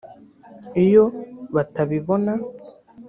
Iyo batabibona